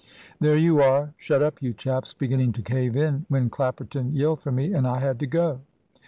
"There you are shut up, you chaps beginning to cave in, when Clapperton yelled for me, and I had to go."